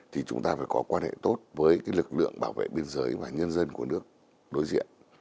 thì chúng ta phải có quan hệ tốt với lực lượng bảo vệ biên giới và nhân dân của nước đối diện